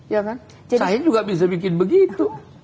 ya kan saya juga bisa bikin begitu